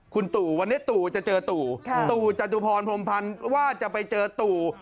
คุณตู่วันนี้ตู่จะเจอตู่ตู่จตุพรพรมพันธ์ว่าจะไปเจอตู่